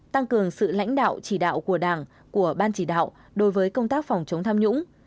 tăng cường sự lãnh đạo chỉ đạo của đảng của ban chỉ đạo đối với công tác phòng chống tham nhũng